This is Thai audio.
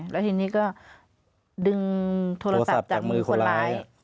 แล้วทีนี้ก็ดึงโทรศัพท์จากมือคนร้าย